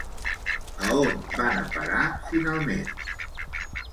A on van a parar finalment?